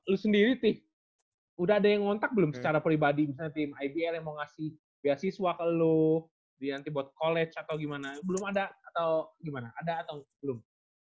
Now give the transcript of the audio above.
lu sendiri tuh udah ada yang ngontak belum secara pribadi misalnya tim ibl yang mau ngasih beasiswa ke lu nanti buat college atau gimana belum ada atau gimana ada atau belum